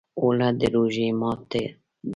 اوړه د روژې ماته ده